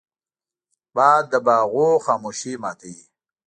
باد د باغونو خاموشي ماتوي